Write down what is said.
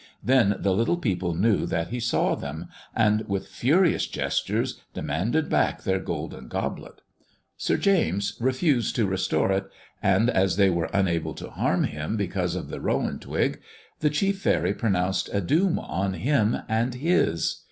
Then the little people knew that he saw them, and with furious gestures demanded back their golden goblet. Sir James refused to restore it, and as they were unable 38 THE dwarf's chamber to harm him because of the rowan twig, the chief faery pronounced a doom on him and his.